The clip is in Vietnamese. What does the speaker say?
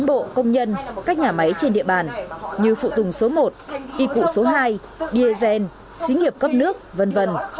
các bộ công nhân các nhà máy trên địa bàn như phụ tùng số một y cụ số hai bia gen xí nghiệp cấp nước v v